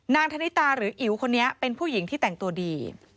ธนิตาหรืออิ๋วคนนี้เป็นผู้หญิงที่แต่งตัวดี